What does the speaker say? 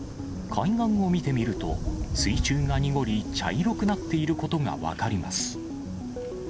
海岸を見てみると、水中が濁り、茶色くなっていることが分かります。